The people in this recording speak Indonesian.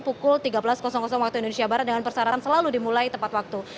pukul tiga belas waktu indonesia barat dengan persyaratan selalu dimulai tepat waktu